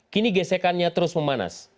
kini gesekannya terus memanas